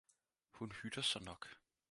Hun hytter sig nok